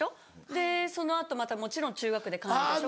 でその後またもちろん中学で替えるでしょ。